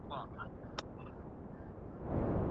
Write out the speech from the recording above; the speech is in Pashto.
پشه خانې ولي کارول کیږي؟